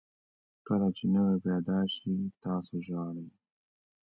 کله چې نوی پیدا شئ تاسو ژاړئ.